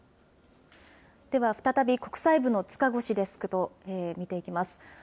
では再び、国際部の塚越デスクと見ていきます。